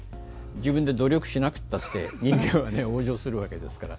自分で努力しなくたって人間は往生するわけですから。